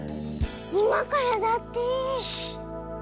いまからだって！